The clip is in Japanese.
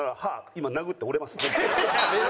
今殴って折れます。